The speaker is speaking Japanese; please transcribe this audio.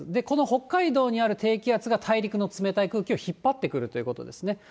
この北海道にある低気圧が大陸の冷たい空気を引っ張ってくるということですね。